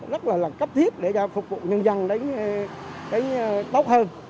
rất là cấp thiết để phục vụ nhân dân đến tốt hơn